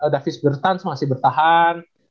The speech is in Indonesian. davis bertans masih bertahan